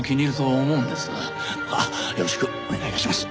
どうかよろしくお願い致します。